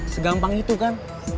segampang itu kan